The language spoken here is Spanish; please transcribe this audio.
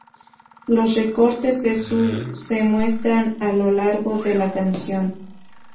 Los recortes de su se muestran a lo largo de la canción.